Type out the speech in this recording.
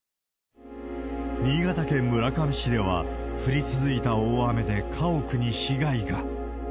新潟県村上市では、降り続いた大雨で家屋に被害が。